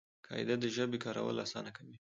قاعده د ژبي کارول آسانه کوي.